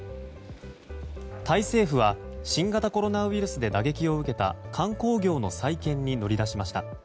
タイ政府は新型コロナウイルスで打撃を受けた観光業の再建に乗り出しました。